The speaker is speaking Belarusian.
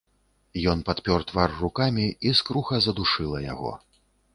Ён падпёр твар рукамі, і скруха здушыла яго.